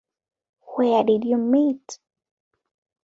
Where did you meet?